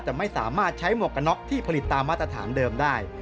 ไม่สามารถใช้หมวกกันน็อกที่ผลิตตามมาตรฐานเดิมได้